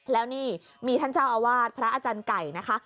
แล้วนี่มีท่านเจ้าอาวาสพระอาจารย์ไก่นะคะ